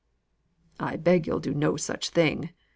"I beg you'll do no such thing.